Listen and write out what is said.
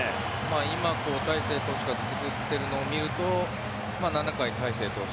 今、大勢投手が作っているのを見ると７回に大勢投手。